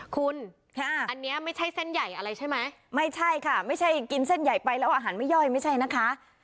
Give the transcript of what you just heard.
คุณอันนี้ไม่ใช่เส้นใหญ่อะไรใช่ไหมไม่ใช่ค่ะไม่ใช่กินเส้นใหญ่ไปแล้วอาหารไม่ย่อยไม่ใช่นะคะ